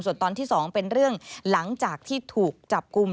ส่วนตอนที่๒เป็นเรื่องหลังจากที่ถูกจับกลุ่ม